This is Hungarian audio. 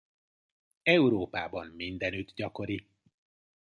Európában mindenütt gyakori.